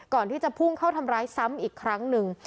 ก่อนที่จะพุ่งเข้าทำร้ายซ้ำอีกครั้งหนึ่ง